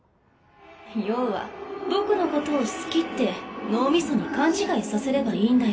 要は僕のことを好きって脳みそに勘違いさせればいいんだよ。